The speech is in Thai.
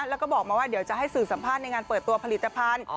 แล้วก็บอกมาว่าเดี๋ยวจะให้สื่อสัมภาษณ์ในงานเปิดตัวผลิตภัณฑ์